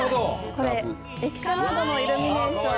これ駅舎などのイルミネーション。